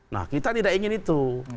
nah kita tidak ingin itu